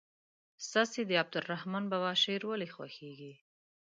ستاسې د عبدالرحمان بابا شعر ولې خوښیږي.